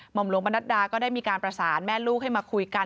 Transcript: หลวงปนัดดาก็ได้มีการประสานแม่ลูกให้มาคุยกัน